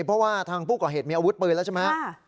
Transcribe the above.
เพราะว่าทางผู้ก่อเหตุมีอาวุธปืนแล้วใช่ไหมครับ